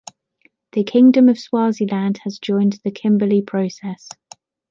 The Kingdom of Swaziland has joined the Kimberley Process.